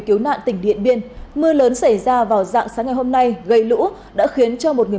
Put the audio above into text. cứu nạn tỉnh điện biên mưa lớn xảy ra vào dạng sáng ngày hôm nay gây lũ đã khiến cho một người